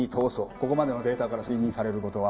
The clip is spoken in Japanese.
ここまでのデータから推認される事は。